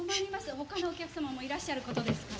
他のお客様もいらっしゃることですから。